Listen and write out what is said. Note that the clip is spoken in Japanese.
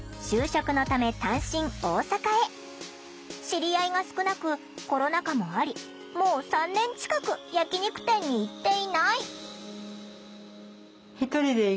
知り合いが少なくコロナ禍もありもう３年近く焼き肉店に行っていない。